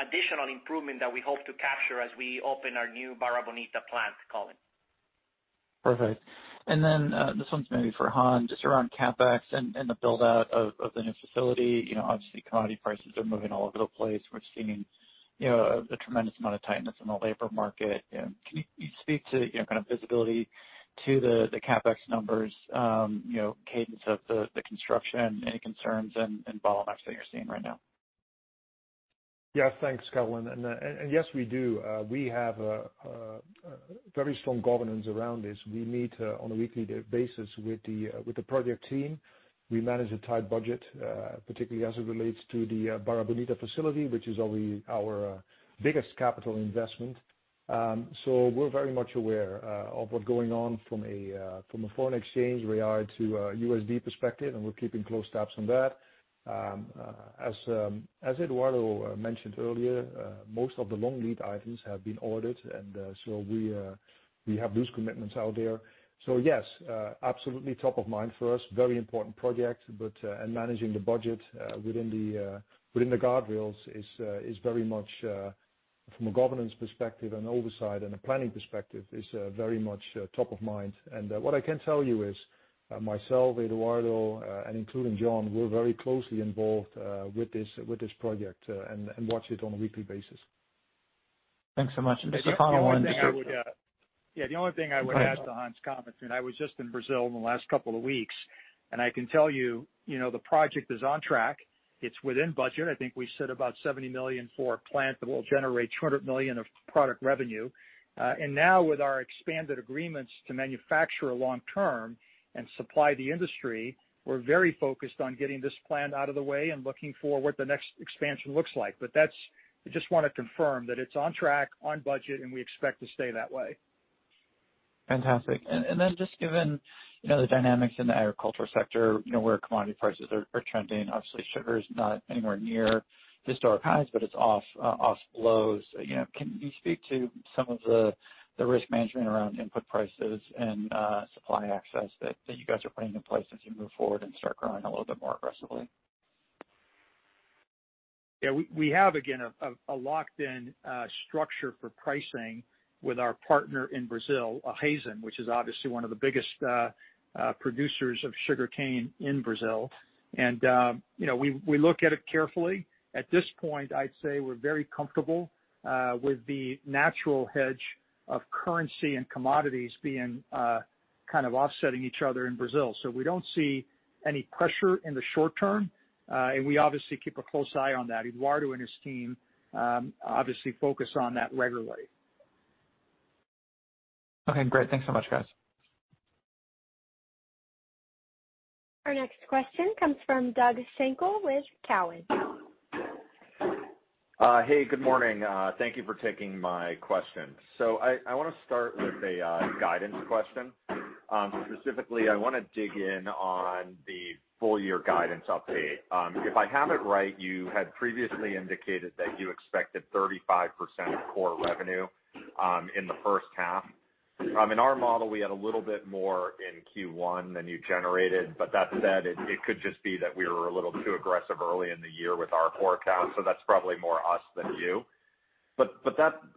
additional improvement that we hope to capture as we open our new Barra Bonita plant, Colin. Perfect. This one's maybe for Han, just around CapEx and the build-out of the new facility. Obviously, commodity prices are moving all over the place. We're seeing a tremendous amount of tightness in the labor market. Can you speak to kind of visibility to the CapEx numbers, cadence of the construction, any concerns and bottlenecks that you're seeing right now? Yeah. Thanks, Colin. Yes, we do. We have a very strong governance around this. We meet on a weekly basis with the project team. We manage a tight budget, particularly as it relates to the Barra Bonita facility, which is our biggest capital investment. We're very much aware of what's going on from a foreign exchange real to USD perspective, and we're keeping close tabs on that. As Eduardo mentioned earlier, most of the long lead items have been ordered, and so we have those commitments out there. Yes, absolutely top of mind for us, very important project. Managing the budget within the guardrails is very much, from a governance perspective and oversight and a planning perspective, is very much top of mind. What I can tell you is, myself, Eduardo, and including John, we're very closely involved with this project and watch it on a weekly basis. Thanks so much. Yeah, the only thing I would add to Han's comments, and I was just in Brazil in the last couple of weeks, and I can tell you, the project is on track. It's within budget. I think we said about $70 million for a plant that will generate $200 million of product revenue. Now with our expanded agreements to manufacture long-term and supply the industry, we're very focused on getting this plant out of the way and looking for what the next expansion looks like. I just want to confirm that it's on track, on budget, and we expect to stay that way. Fantastic. Just given the dynamics in the agricultural sector, where commodity prices are trending, obviously sugar is not anywhere near historic highs, but it's off lows. Can you speak to some of the risk management around input prices and supply access that you guys are putting in place as you move forward and start growing a little bit more aggressively? Yeah. We have, again, a locked-in structure for pricing with our partner in Brazil, Raízen, which is obviously one of the biggest producers of sugarcane in Brazil. We look at it carefully. At this point, I'd say we're very comfortable with the natural hedge of currency and commodities being kind of offsetting each other in Brazil. We don't see any pressure in the short term. We obviously keep a close eye on that. Eduardo and his team obviously focus on that regularly. Okay, great. Thanks so much, guys. Our next question comes from Doug Schenkel with Cowen. Hey, good morning. Thank you for taking my question. I want to start with a guidance question. Specifically, I want to dig in on the full-year guidance update. If I have it right, you had previously indicated that you expected 35% core revenue in the first half. In our model, we had a little bit more in Q1 than you generated. That said, it could just be that we were a little too aggressive early in the year with our forecast, so that's probably more us than you.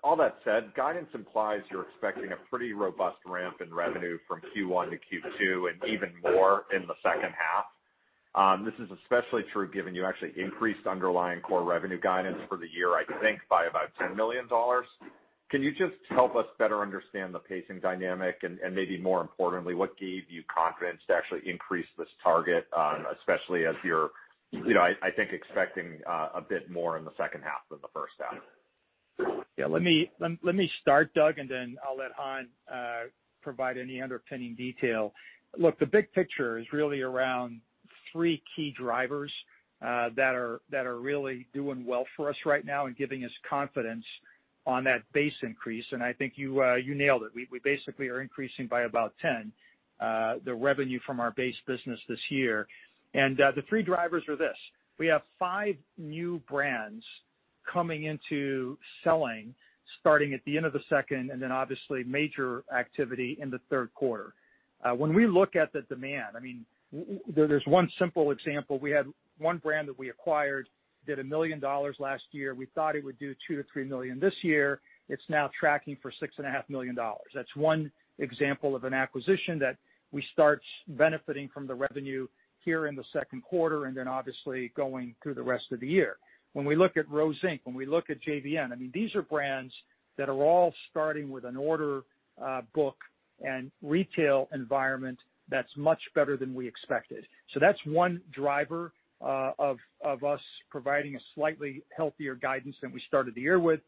All that said, guidance implies you're expecting a pretty robust ramp in revenue from Q1 to Q2 and even more in the second half. This is especially true given you actually increased underlying core revenue guidance for the year, I think by about $10 million. Can you just help us better understand the pacing dynamic and maybe more importantly, what gave you confidence to actually increase this target, especially as you're I think expecting a bit more in the second half than the first half? Let me start, Doug, and then I'll let Han provide any underpinning detail. Look, the big picture is really around three key drivers that are really doing well for us right now and giving us confidence on that base increase. I think you nailed it. We basically are increasing by about 10%, the revenue from our base business this year. The three drivers are this. We have five new brands coming into selling, starting at the end of the second, and then obviously major activity in the third quarter. When we look at the demand, there's one simple example. We had one brand that we acquired, did $1 million last year. We thought it would do $2 million-$3 million this year. It's now tracking for $6.5 million. That's one example of an acquisition that we start benefiting from the revenue here in the second quarter, and then obviously going through the rest of the year. When we look at Rose Inc, when we look at JVN, these are brands that are all starting with an order book and retail environment that's much better than we expected. That's one driver of us providing a slightly healthier guidance than we started the year with.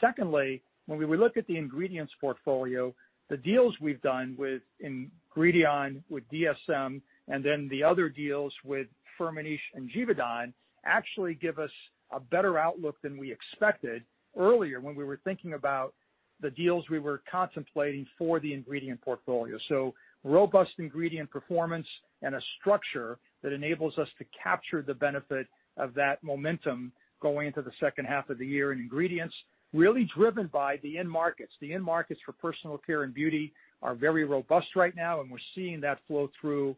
Secondly, when we look at the ingredients portfolio, the deals we've done with Ingredion, with DSM, and then the other deals with Firmenich and Givaudan actually give us a better outlook than we expected earlier when we were thinking about the deals we were contemplating for the ingredient portfolio. Robust ingredient performance and a structure that enables us to capture the benefit of that momentum going into the second half of the year in ingredients, really driven by the end markets. The end markets for personal care and beauty are very robust right now, and we're seeing that flow through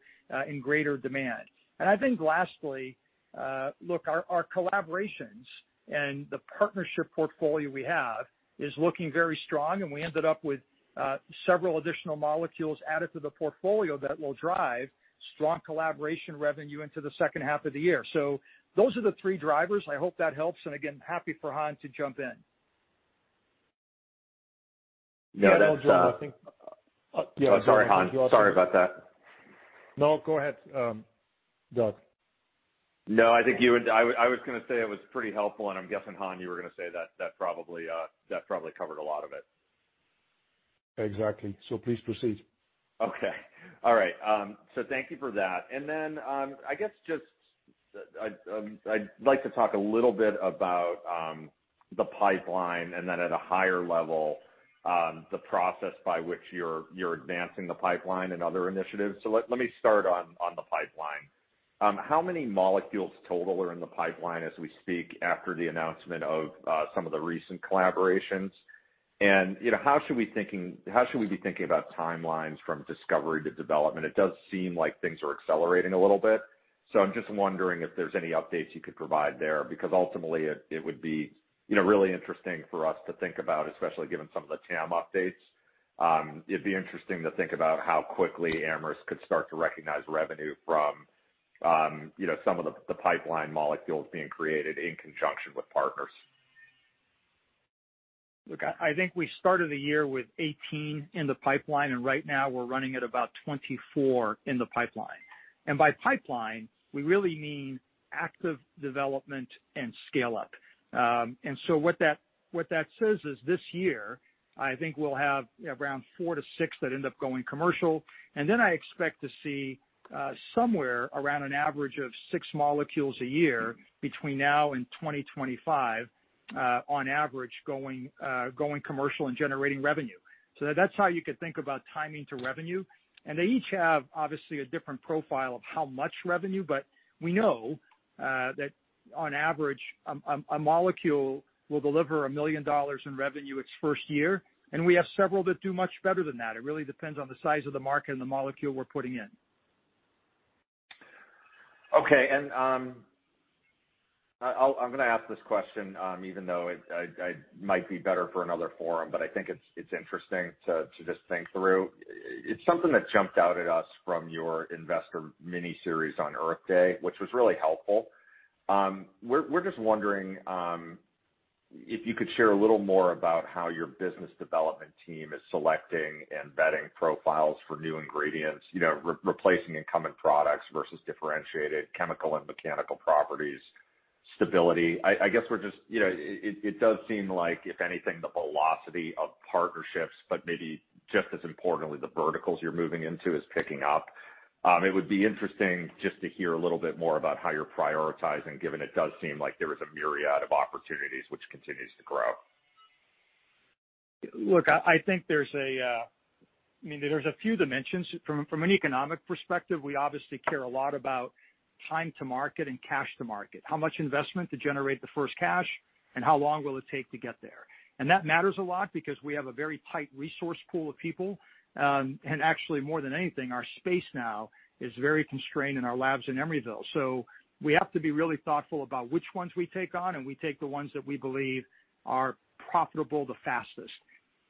in greater demand. I think lastly, look, our collaborations and the partnership portfolio we have is looking very strong, and we ended up with several additional molecules added to the portfolio that will drive strong collaboration revenue into the second half of the year. Those are the three drivers. I hope that helps. Again, happy for Han to jump in. No, that's. Yeah, no, Doug. Oh, sorry, Han. Sorry about that. No, go ahead, Doug. No, I was going to say it was pretty helpful, and I'm guessing, Han, you were going to say that probably covered a lot of it. Exactly. Please proceed. Okay. All right. Thank you for that. I guess just I'd like to talk a little bit about the pipeline, and then at a higher level, the process by which you're advancing the pipeline and other initiatives. Let me start on the pipeline. How many molecules total are in the pipeline as we speak after the announcement of some of the recent collaborations? How should we be thinking about timelines from discovery to development? It does seem like things are accelerating a little bit. I'm just wondering if there's any updates you could provide there, because ultimately it would be really interesting for us to think about, especially given some of the TAM updates. It'd be interesting to think about how quickly Amyris could start to recognize revenue from some of the pipeline molecules being created in conjunction with partners. Look, I think we started the year with 18 in the pipeline, and right now we're running at about 24 in the pipeline. By pipeline, we really mean active development and scale-up. What that says is this year, I think we'll have around four to six that end up going commercial. I expect to see somewhere around an average of six molecules a year between now and 2025, on average, going commercial and generating revenue. That's how you could think about timing to revenue. They each have, obviously, a different profile of how much revenue. We know that on average, a molecule will deliver $1 million in revenue its first year, and we have several that do much better than that. It really depends on the size of the market and the molecule we're putting in. Okay. I'm going to ask this question, even though it might be better for another forum, but I think it's interesting to just think through. It's something that jumped out at us from your investor mini-series on Earth Day, which was really helpful. We're just wondering if you could share a little more about how your business development team is selecting and vetting profiles for new ingredients, replacing incumbent products versus differentiated chemical and mechanical properties, stability. I guess it does seem like, if anything, the velocity of partnerships, but maybe just as importantly, the verticals you're moving into is picking up. It would be interesting just to hear a little bit more about how you're prioritizing, given it does seem like there is a myriad of opportunities which continues to grow. I think there's a few dimensions. From an economic perspective, we obviously care a lot about time to market and cash to market, how much investment to generate the first cash, and how long will it take to get there. That matters a lot because we have a very tight resource pool of people. Actually more than anything, our space now is very constrained in our labs in Emeryville. We have to be really thoughtful about which ones we take on, and we take the ones that we believe are profitable the fastest.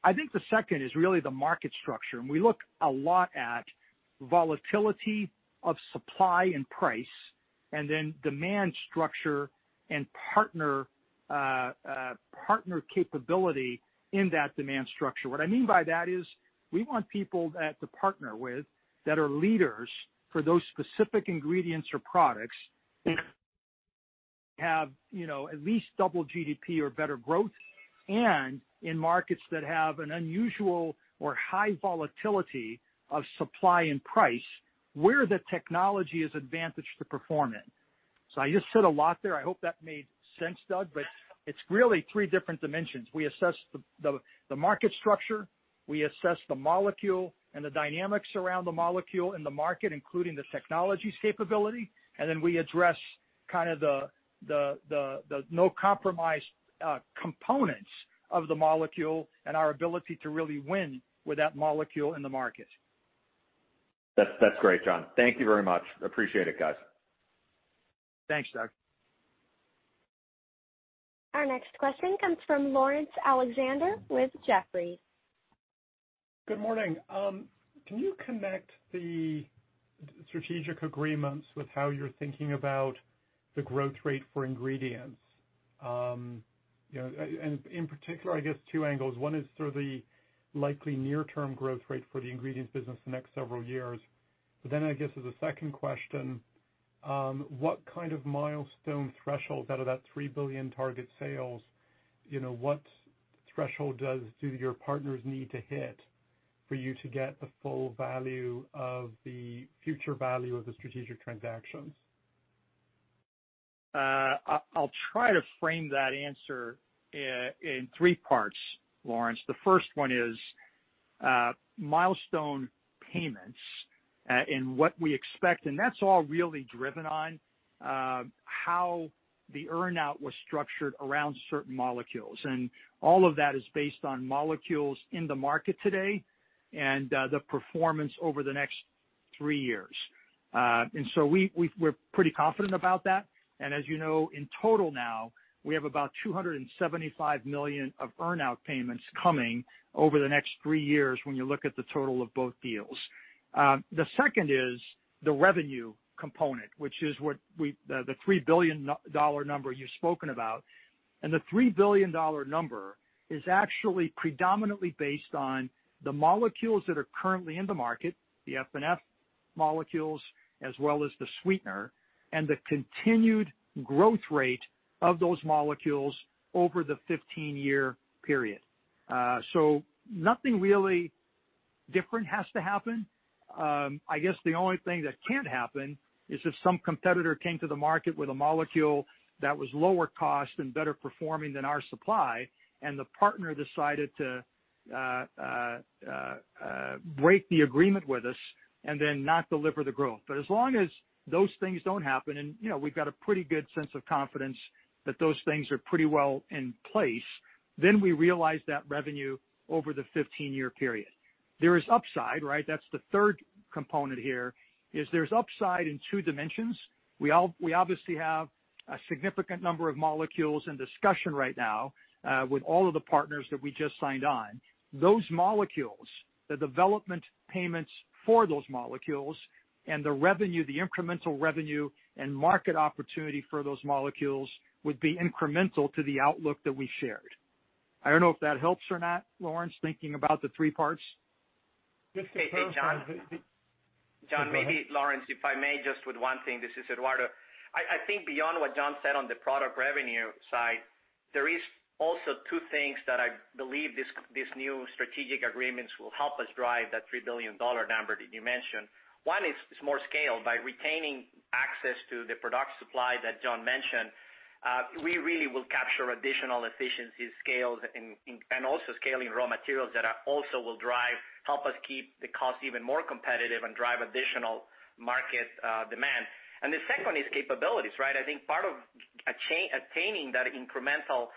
I think the second is really the market structure, and we look a lot at volatility of supply and price, and then demand structure and partner capability in that demand structure. What I mean by that is we want people to partner with that are leaders for those specific ingredients or products. Have at least double GDP or better growth, and in markets that have an unusual or high volatility of supply and price, where the technology is advantaged to perform in. I just said a lot there. I hope that made sense, Doug, it's really three different dimensions. We assess the market structure, we assess the molecule and the dynamics around the molecule in the market, including the technology capability, and then we address kind of the no-compromise components of the molecule and our ability to really win with that molecule in the market. That's great, John. Thank you very much. Appreciate it, guys. Thanks, Doug. Our next question comes from Laurence Alexander with Jefferies. Good morning. Can you connect the strategic agreements with how you're thinking about the growth rate for ingredients? In particular, I guess two angles. One is sort of the likely near-term growth rate for the ingredients business the next several years. I guess as a second question, what kind of milestone thresholds out of that $3 billion target sales, what threshold do your partners need to hit for you to get the full value of the future value of the strategic transactions? I'll try to frame that answer in three parts, Lawrence. The first one is milestone payments, and what we expect. That's all really driven on how the earn-out was structured around certain molecules. All of that is based on molecules in the market today and the performance over the next three years. We're pretty confident about that. As you know, in total now, we have about $275 million of earn-out payments coming over the next three years when you look at the total of both deals. The second is the revenue component, which is the $3 billion number you've spoken about. The $3 billion number is actually predominantly based on the molecules that are currently in the market, the F&F molecules, as well as the sweetener, and the continued growth rate of those molecules over the 15-year period. Nothing really different has to happen. I guess the only thing that can't happen is if some competitor came to the market with a molecule that was lower cost and better performing than our supply, and the partner decided to break the agreement with us and then not deliver the growth. As long as those things don't happen, and we've got a pretty good sense of confidence that those things are pretty well in place, then we realize that revenue over the 15-year period. There is upside, right? That's the third component here, is there's upside in two dimensions. We obviously have a significant number of molecules in discussion right now with all of the partners that we just signed on. Those molecules, the development payments for those molecules, and the revenue, the incremental revenue, and market opportunity for those molecules would be incremental to the outlook that we shared. I don't know if that helps or not, Lawrence, thinking about the three parts. Just to clarify. Hey, John. Go ahead. John, maybe Lawrence, if I may just with one thing. This is Eduardo. I think beyond what John said on the product revenue side, there is also two things that I believe these new strategic agreements will help us drive that $3 billion number that you mentioned. One is more scale. By retaining access to the product supply that John mentioned, we really will capture additional efficiency scales and also scaling raw materials that are also will drive, help us keep the cost even more competitive and drive additional market demand. The second is capabilities, right? I think part of attaining that incremental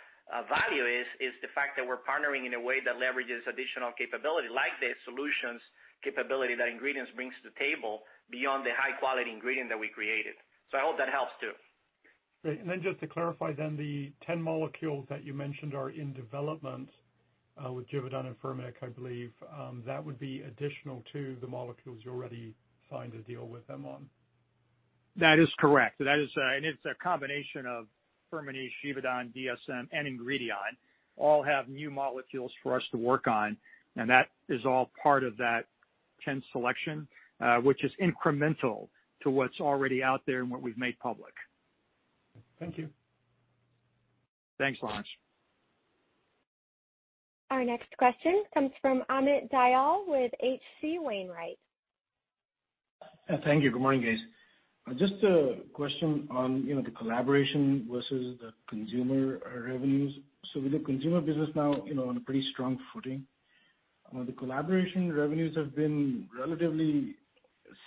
value is the fact that we're partnering in a way that leverages additional capability, like the solutions capability that Ingredion brings to the table beyond the high-quality ingredient that we created. I hope that helps, too. Great. Just to clarify then, the 10 molecules that you mentioned are in development, with Givaudan and Firmenich, I believe, that would be additional to the molecules you already signed a deal with them on? That is correct. It's a combination of Firmenich, Givaudan, DSM, and Ingredion all have new molecules for us to work on, and that is all part of that 10 selection, which is incremental to what's already out there and what we've made public. Thank you. Thanks, Lawrence. Our next question comes from Amit Dayal with H.C. Wainwright. Thank you. Good morning, guys. Just a question on the collaboration versus the consumer revenues. With the consumer business now on a pretty strong footing, the collaboration revenues have been relatively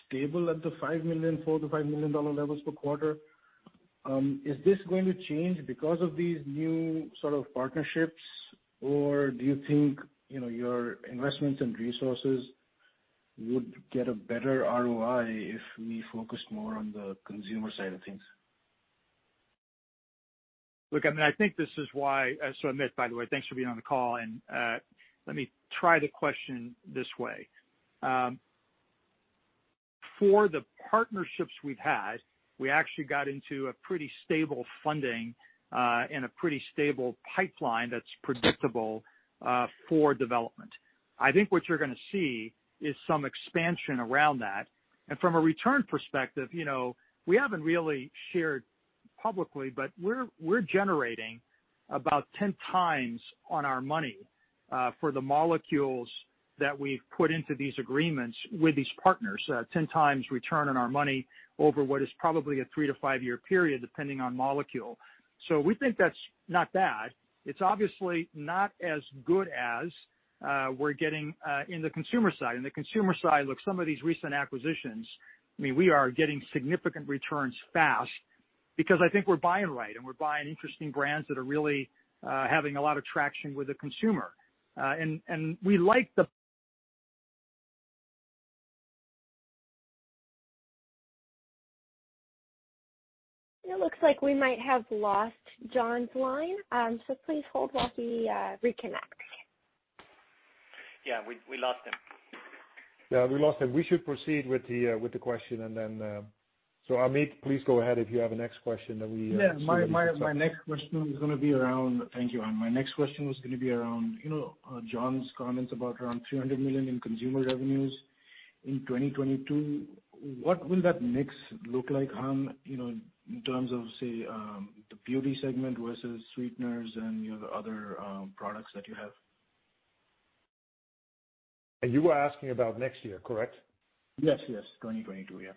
stable at the $4 million-$5 million levels per quarter. Is this going to change because of these new sort of partnerships, or do you think your investments and resources would get a better ROI if we focused more on the consumer side of things? Look, Amit. Amit, by the way, thanks for being on the call. Let me try the question this way. For the partnerships we've had, we actually got into a pretty stable funding, and a pretty stable pipeline that's predictable for development. I think what you're going to see is some expansion around that. From a return perspective, we haven't really shared publicly, but we're generating about 10x on our money for the molecules that we've put into these agreements with these partners, 10x return on our money over what is probably a three-to-five-year period, depending on molecule. We think that's not bad. It's obviously not as good as we're getting in the consumer side. On the consumer side, look, some of these recent acquisitions, we are getting significant returns fast because I think we're buying right and we're buying interesting brands that are really having a lot of traction with the consumer. It looks like we might have lost John's line, so please hold while we reconnect. Yeah, we lost him. Yeah, we lost him. We should proceed with the question. Amit, please go ahead if you have a next question. Yeah. Thank you, Han. My next question was going to be around John's comments about around $300 million in consumer revenues in 2022. What will that mix look like, Han, in terms of, say, the beauty segment versus sweeteners and the other products that you have? You were asking about next year, correct? Yes. 2022, yeah.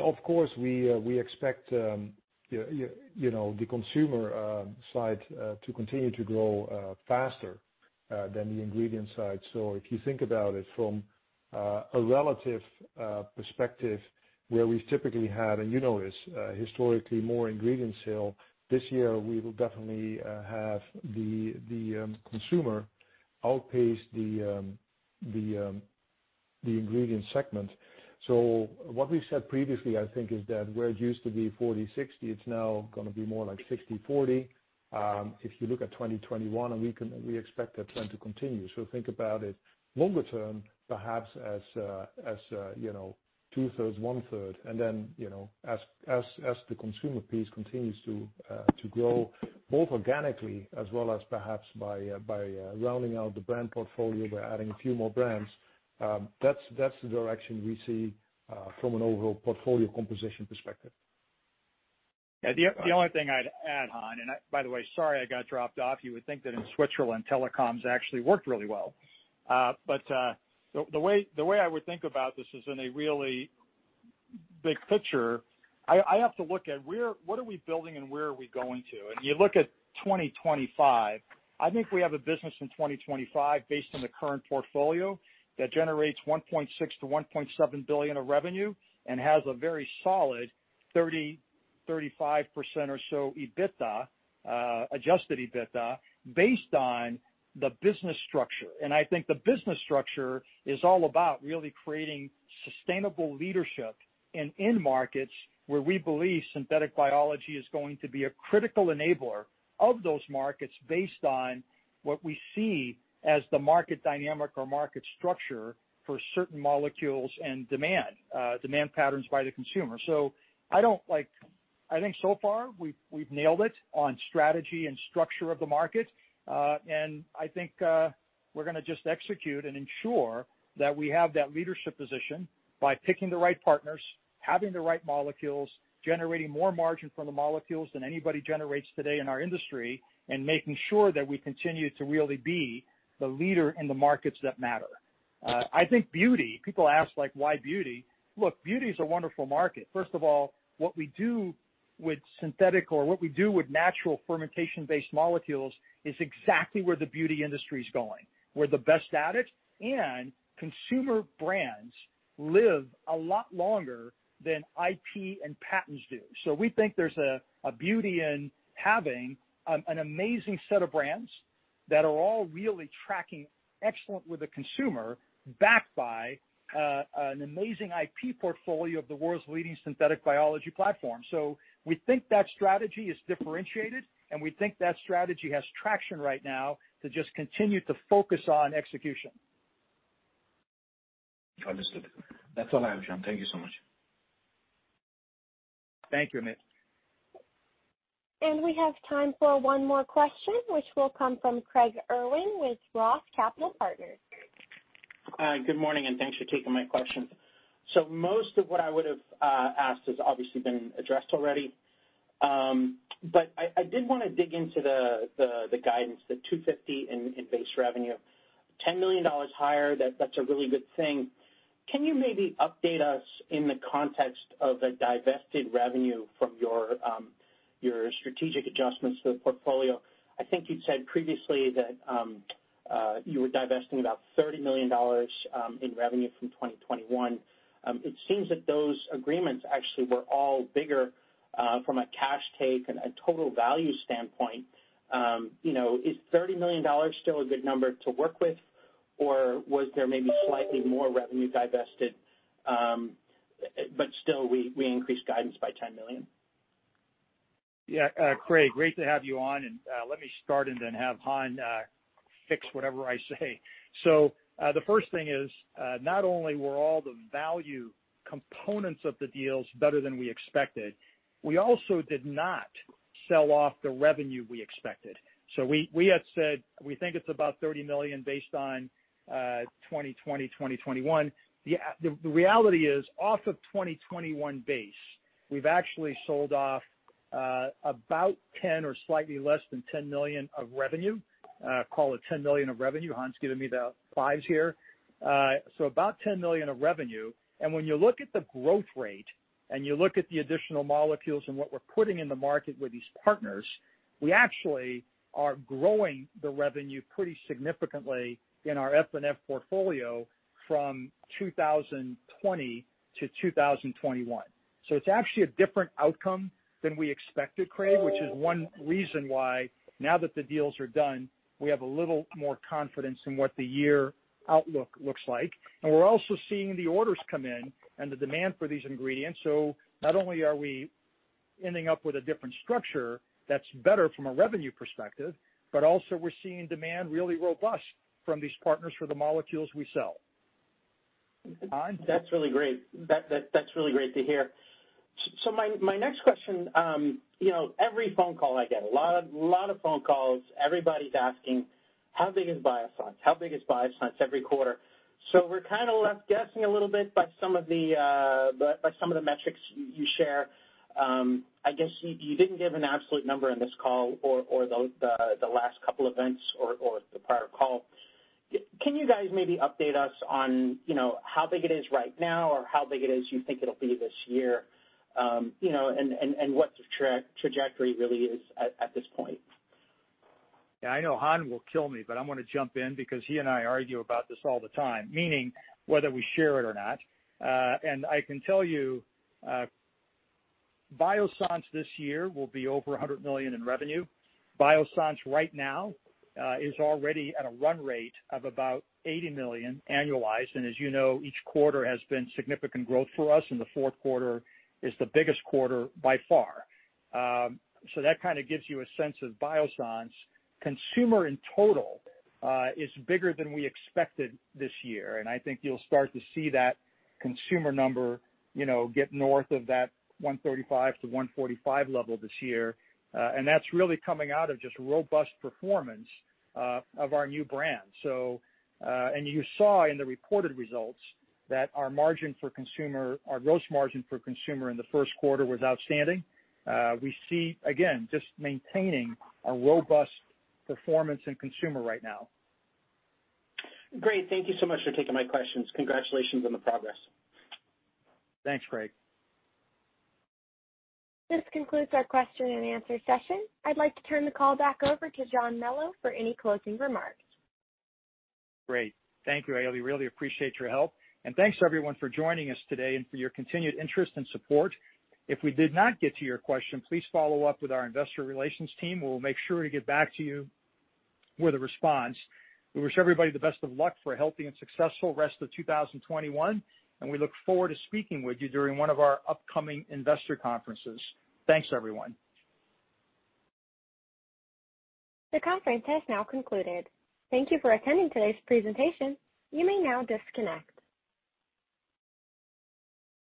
Of course, we expect the consumer side to continue to grow faster than the ingredient side. If you think about it from a relative perspective, where we've typically had, and you know this, historically more ingredient sale, this year, we will definitely have the consumer outpace the ingredient segment. What we've said previously, I think, is that where it used to be 40/60, it's now going to be more like 60/40. If you look at 2021, and we expect that trend to continue. Think about it longer term, perhaps as two-thirds, one-third. As the consumer piece continues to grow both organically as well as perhaps by rounding out the brand portfolio, we're adding a few more brands. That's the direction we see from an overall portfolio composition perspective. The only thing I'd add, Han, by the way, sorry I got dropped off. You would think that in Switzerland, telecoms actually worked really well. The way I would think about this is in a really big picture. I have to look at what are we building and where are we going to? You look at 2025, I think we have a business in 2025 based on the current portfolio that generates $1.6 billion-$1.7 billion of revenue and has a very solid 30%-35% or so EBITDA, adjusted EBITDA, based on the business structure. I think the business structure is all about really creating sustainable leadership in end markets where we believe synthetic biology is going to be a critical enabler of those markets based on what we see as the market dynamic or market structure for certain molecules and demand patterns by the consumer. I think so far, we've nailed it on strategy and structure of the market. I think we're going to just execute and ensure that we have that leadership position by picking the right partners, having the right molecules, generating more margin from the molecules than anybody generates today in our industry, and making sure that we continue to really be the leader in the markets that matter. I think beauty, people ask like, "Why beauty?" Look, beauty is a wonderful market. First of all, what we do with synthetic or what we do with natural fermentation-based molecules is exactly where the beauty industry is going. We're the best at it, consumer brands live a lot longer than IP and patents do. We think there's a beauty in having an amazing set of brands that are all really tracking excellent with the consumer, backed by an amazing IP portfolio of the world's leading synthetic biology platform. We think that strategy is differentiated, and we think that strategy has traction right now to just continue to focus on execution. Understood. That's all I have, John. Thank you so much. Thank you, Amit. We have time for one more question, which will come from Craig Irwin with ROTH Capital Partners. Good morning, and thanks for taking my question. Most of what I would have asked has obviously been addressed already. I did want to dig into the guidance, the $250 million in base revenue, $10 million higher, that's a really good thing. Can you maybe update us in the context of the divested revenue from your strategic adjustments to the portfolio? I think you'd said previously that you were divesting about $30 million in revenue from 2021. It seems that those agreements actually were all bigger from a cash take and a total value standpoint. Is $30 million still a good number to work with, or was there maybe slightly more revenue divested but still we increased guidance by $10 million? Yeah. Craig, great to have you on. Let me start and then have Han fix whatever I say. The first thing is, not only were all the value components of the deals better than we expected, we also did not sell off the revenue we expected. We had said we think it's about $30 million based on 2020, 2021. The reality is, off of 2021 base, we've actually sold off about ten or slightly less than $10 million of revenue. Call it $10 million of revenue. Han's giving me the fives here. About $10 million of revenue. When you look at the growth rate and you look at the additional molecules and what we're putting in the market with these partners, we actually are growing the revenue pretty significantly in our F&F portfolio from 2020 to 2021. It's actually a different outcome than we expected, Craig, which is one reason why now that the deals are done, we have a little more confidence in what the year outlook looks like. We're also seeing the orders come in and the demand for these ingredients. Not only are we ending up with a different structure that's better from a revenue perspective, but also we're seeing demand really robust from these partners for the molecules we sell. Han? That's really great. That's really great to hear. My next question. Every phone call I get, a lot of phone calls, everybody's asking, how big is Biossance? How big is Biossance every quarter? We're kind of left guessing a little bit by some of the metrics you share. I guess you didn't give an absolute number on this call or the last couple events or the prior call. Can you guys maybe update us on how big it is right now or how big it is you think it'll be this year, and what the trajectory really is at this point? Yeah, I know Han will kill me, I'm going to jump in because he and I argue about this all the time, meaning whether we share it or not. I can tell you, Biossance this year will be over $100 million in revenue. Biossance right now is already at a run rate of about $80 million annualized. As you know, each quarter has been significant growth for us, and the fourth quarter is the biggest quarter by far. That kind of gives you a sense of Biossance. Consumer in total is bigger than we expected this year, and I think you'll start to see that consumer number get north of that $135 million-$145 million level this year. That's really coming out of just robust performance of our new brands. You saw in the reported results that our margin for consumer, our gross margin for consumer in the first quarter was outstanding. We see, again, just maintaining a robust performance in consumer right now. Great. Thank you so much for taking my questions. Congratulations on the progress. Thanks, Craig. This concludes our question and answer session. I'd like to turn the call back over to John Melo for any closing remarks. Great. Thank you, Hailey. Really appreciate your help. Thanks everyone for joining us today and for your continued interest and support. If we did not get to your question, please follow up with our investor relations team. We'll make sure to get back to you with a response. We wish everybody the best of luck for a healthy and successful rest of 2021, and we look forward to speaking with you during one of our upcoming investor conferences. Thanks, everyone. The conference has now concluded. Thank you for attending today's presentation. You may now disconnect.